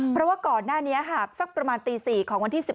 เพราะว่าก่อนหน้านี้สักประมาณตี๔ของวันที่๑๑